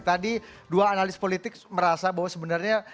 tadi dua analis politik merasa bahwa sebenarnya